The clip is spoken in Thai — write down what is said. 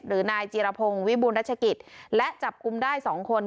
หรือนายจรรพงษ์วิบุณรัชกิจและจับกลุ่มได้สองคน